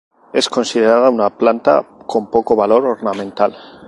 Es considerada una planta con poco valor ornamental.